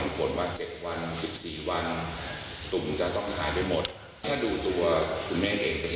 ปกติ